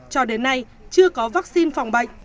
cho đến nay chưa có vaccine phòng bệnh